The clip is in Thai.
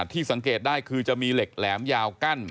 ที่สังเกตได้คือจะมีเหล็กแหลมยาวกั้น